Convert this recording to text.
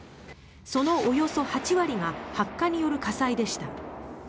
そのおよそ８割が発火による火災でした。